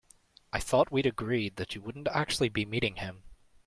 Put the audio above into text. I thought we'd agreed that you wouldn't actually be meeting him?